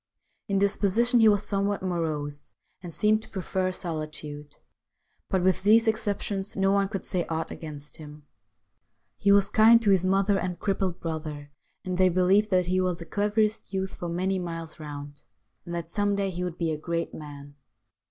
In disposition he was somewhat morose, and seemed to prefer solitude. But with these exceptions, no one could say aught against him. He was kind to his mother and crippled brother, and they believed that he was the cleverest youth for many miles round, and that some day he would be a great man.